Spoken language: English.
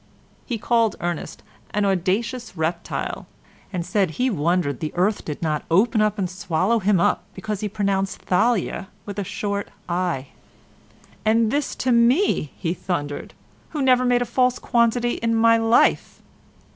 He called Ernest "an audacious reptile" and said he wondered the earth did not open and swallow him up because he pronounced Thalia with a short i. "And this to me," he thundered, "who never made a false quantity in my life."